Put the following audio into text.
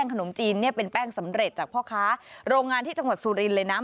ขนมจีนเนี่ยเป็นแป้งสำเร็จจากพ่อค้าโรงงานที่จังหวัดสุรินทร์เลยนะ